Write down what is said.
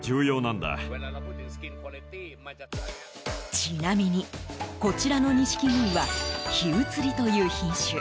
ちなみにこちらのニシキゴイは緋写りという品種。